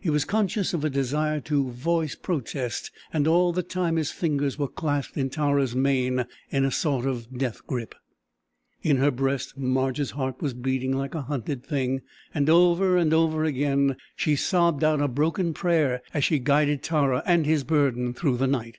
He was conscious of a desire to voice protest and all the time his fingers were clasped in Tara'a mane in a sort of death grip. In her breast Marge's heart was beating like a hunted thing, and over and over again she sobbed out a broken prayer as she guided Tara and his burden through the night.